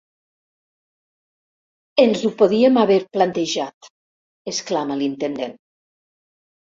Ens ho podíem haver plantejat —exclama l'intendent.